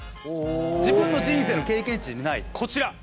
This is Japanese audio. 自分の人生の経験値にないこちら。